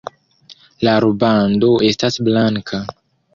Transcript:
La rubando estas blanka.